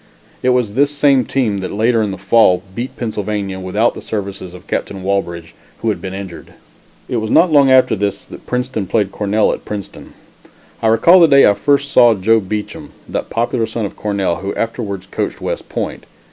It was this same team that, later in the fall, beat Pennsylvania, without the services of Captain Walbridge, who had been injured. It was not long after this that Princeton played Cornell at Princeton. I recall the day I first saw Joe Beacham, that popular son of Cornell, who afterwards coached West Point.